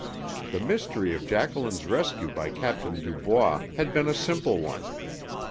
The mystery of Jacqueline's rescue by Captain Dubois had been a simple one.